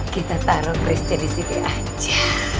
kita taruh prisca disini aja